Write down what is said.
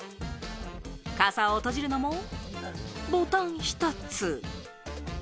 傘を閉じるのもボタン１つ。